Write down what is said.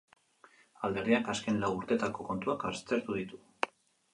Alderdiak azken lau urteetako kontuak aztertu ditu.